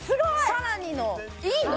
さらにのいいの？